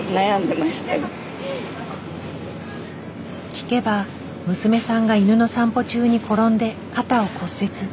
聞けば娘さんが犬の散歩中に転んで肩を骨折。